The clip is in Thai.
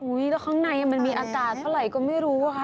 โอ้ยแล้วข้างในมันมีอัตราเท่าไหร่ก็ไม่รู้ค่ะ